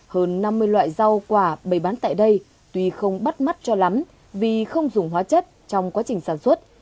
hơn năm mươi loại rau quả bày bán tại đây tuy không bắt mắt cho lắm vì không dùng hóa chất trong quá trình sản xuất